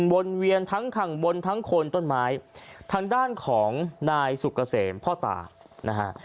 วนเวียนทั้งข้างบนทั้งคนต้นไม้ทางด้านของนายสุกเกษมพ่อตานะฮะ